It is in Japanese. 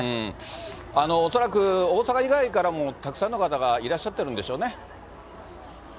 恐らく大阪以外からもたくさんの方がいらっしゃってるんでしょうね。